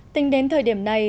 tính đến thời điểm này